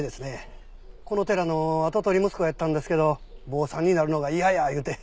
この寺の跡取り息子やったんですけど坊さんになるのが嫌や言うて。